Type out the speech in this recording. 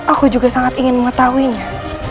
aku juga sangat ingin mengetahuinya